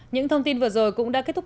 những thông tin vừa rồi cũng đã kết thúc